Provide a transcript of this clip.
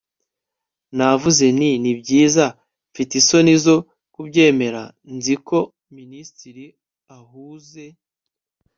navuze nti 'nibyiza,' mfite isoni zo kubyemera - 'nzi ko minisitiri ahuze ..